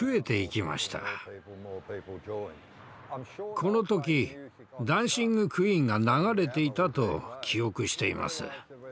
この時「ダンシング・クイーン」が流れていたと記憶しています。